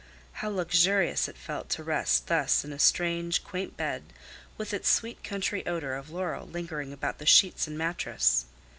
How luxurious it felt to rest thus in a strange, quaint bed, with its sweet country odor of laurel lingering about the sheets and mattress!